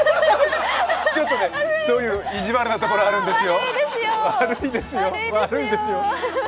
ちょっとね、そういう意地悪なところあるんですよ。